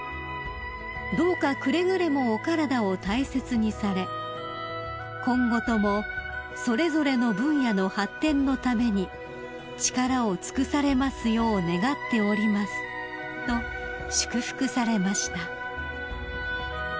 「どうかくれぐれもお体を大切にされ今後ともそれぞれの分野の発展のために力を尽くされますよう願っております」と祝福されました］